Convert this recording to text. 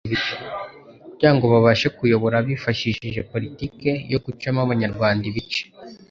Kugira ngo babashe kuyobora bifashishije politiki yo gucamo Abanyarwanda bice